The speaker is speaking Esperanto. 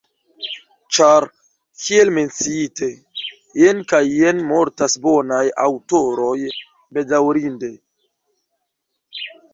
Ĉar, kiel menciite, jen kaj jen mortas bonaj aŭtoroj, bedaŭrinde.